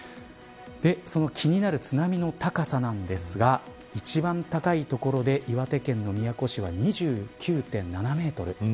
気になる津波の高さですが一番高い所で岩手県の宮古市は２９．７メートル。